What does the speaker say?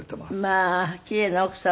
まあ奇麗な奥様。